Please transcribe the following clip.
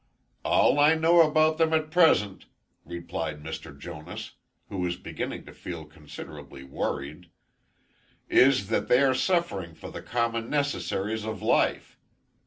"All I know about them at present," replied Mr. Jonas, who was beginning to feel considerably worried, "is, that they are suffering for the common necessaries of life.